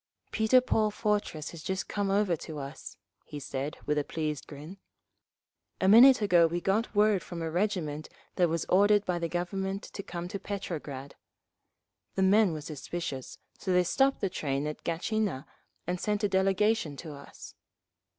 "Peter Paul Fortress has just come over to us," said he, with a pleased grin. "A minute ago we got word from a regiment that was ordered by the Government to come to Petrograd. The men were suspicious, so they stopped the train at Gatchina and sent a delegation to us.